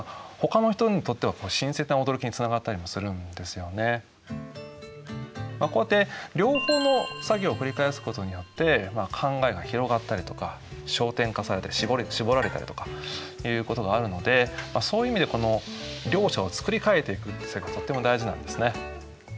そもそもこうやって両方の作業を繰り返すことによって考えが広がったりとか焦点化されて絞られたりとかいうことがあるのでそういう意味でこの両者を作り替えていくとっても大事なんですね。